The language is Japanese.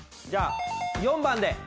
じゃあ４番で。